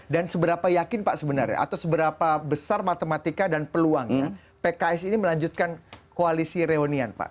seberapa yakin pak sebenarnya atau seberapa besar matematika dan peluangnya pks ini melanjutkan koalisi reunian pak